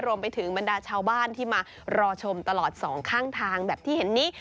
บรรดาชาวบ้านที่มารอชมตลอดสองข้างทางแบบที่เห็นนี้